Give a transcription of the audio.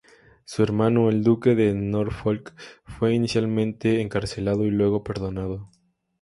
Su hermano, el duque de Norfolk, fue inicialmente encarcelado y luego perdonado.